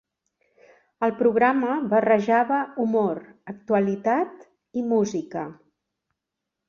El programa barrejava humor, actualitat i música.